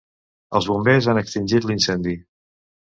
Els bombers han extingit l'incendi.